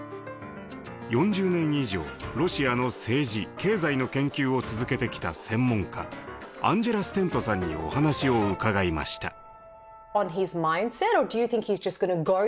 ４０年以上ロシアの政治経済の研究を続けてきた専門家アンジェラ・ステントさんにお話を伺いました。